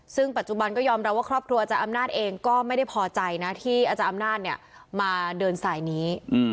ซึ่งปัจจุบันก็ยอมรับว่าครอบครัวอาจารย์อำนาจเองก็ไม่ได้พอใจนะที่อาจารย์อำนาจมาเดินสายนี้